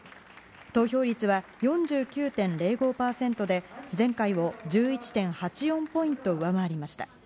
投票率は４９．０５％で前回を１１．８４ポイント上回りました。